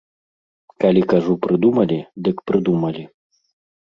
Калі кажу прыдумалі, дык прыдумалі!